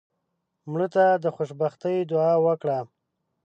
مړه ته د خوشبختۍ دعا وکړه